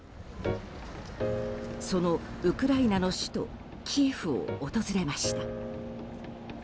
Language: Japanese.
そのウクライナの首都キエフを訪れました。